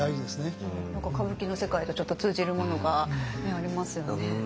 何か歌舞伎の世界とちょっと通じるものがありますよね。